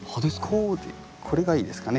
こうこれがいいですかね。